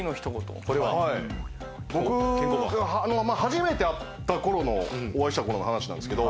僕が初めてお会いした頃の話なんですけど。